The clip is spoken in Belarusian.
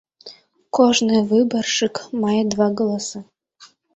Кожны выбаршчык мае два галасы.